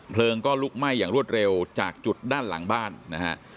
เพลิงก็ลุกไหม้อย่างรวดเร็วจากจุดด้านหลังบ้านนะฮะ